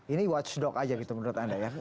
ini watchdog aja gitu menurut anda ya